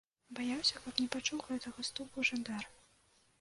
Баяўся, каб не пачуў гэтага стуку жандар.